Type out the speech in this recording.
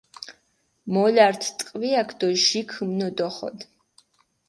მოლართ ტყვიაქ დო ჟი ქჷმნოდოხოდ.